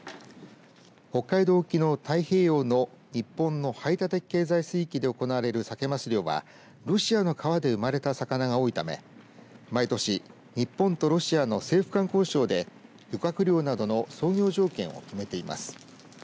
北海道沖の太平洋の日本の排他的経済水域で行われるサケ・マス漁はロシアの川で生まれた魚が多いため毎年、日本とロシアの政府間交渉で漁獲量などの操業条件を決めています。